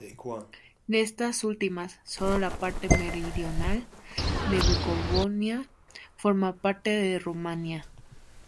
De estas últimas, sólo la parte meridional de Bucovina forma parte de Rumanía.